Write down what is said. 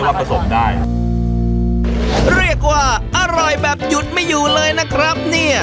ผสมได้เรียกว่าอร่อยแบบหยุดไม่อยู่เลยนะครับเนี่ย